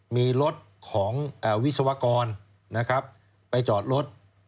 มีรถของวิศวกรไปจอดรถ